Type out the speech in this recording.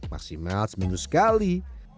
maksimal seminggu sekali